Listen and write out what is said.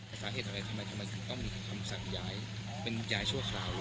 สาเหตุอะไรทำไมคุณต้องมีคำสั่งยาย